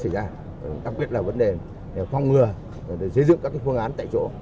đặc biệt là vấn đề phong ngừa xây dựng các phương án tại chỗ